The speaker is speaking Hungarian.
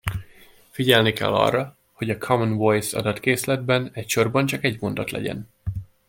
Figyelni kell arra, hogy a Common Voice adatkészletben egy sorban csak egy mondat legyen.